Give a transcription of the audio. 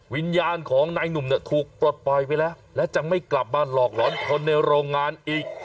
วิญญาณของนายหนุ่มเนี่ยถูกปลดปล่อยไปแล้วและจะไม่กลับมาหลอกหลอนคนในโรงงานอีก